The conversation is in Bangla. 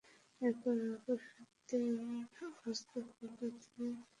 এরপর আরো সাতদিন অবস্থান করে তিনি পায়রাটিকে আবারো প্রেরণ করেন।